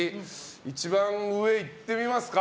一番上、いってみますか。